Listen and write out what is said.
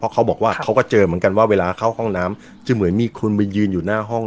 เขาเจอเหมือนเหมือนว่าเวลาเข้าห้องน้ำจะเหมือนมีคนมายืนอยู่หน้าห้อง